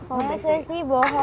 maksudnya sih bohong deh